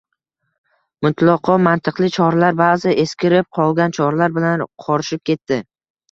mutlaqo mantiqli choralar ba’zi eskirib qolgan choralar bilan qorishib ketdi.